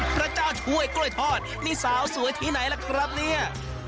พระเจ้าช่วยกล้วยทอดนี่สาวสวยที่ไหนล่ะครับเนี่ย